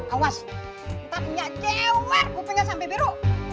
awas ntar nyak jewar kupingnya sampai biru